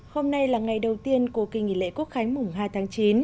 hôm nay là ngày đầu tiên của kỳ nghỉ lễ quốc khánh mùng hai tháng chín